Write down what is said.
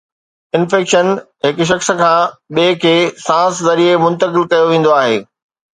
infection هڪ شخص کان ٻئي کي سانس ذريعي منتقل ڪيو ويندو آهي